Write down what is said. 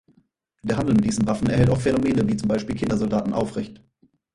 Der Handel mit diesen Waffen erhält auch Phänomene wie zum Beispiel Kindersoldaten aufrecht.